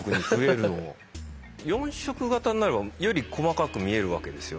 ４色型になればより細かく見えるわけですよね。